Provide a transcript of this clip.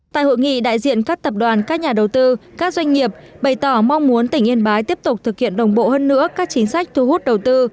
tại hội nghị đại diện các tập đoàn các nhà đầu tư các doanh nghiệp bày tỏ mong muốn tỉnh yên bái tiếp tục thực hiện đồng bộ hơn nữa các chính sách thu hút đầu tư